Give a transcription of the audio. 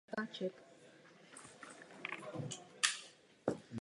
Jedná se o první pomník svého druhu na světě.